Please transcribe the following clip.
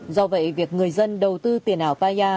do vậy việc người dân đầu tư tiền ảo paya